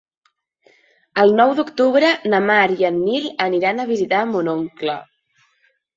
El nou d'octubre na Mar i en Nil aniran a visitar mon oncle.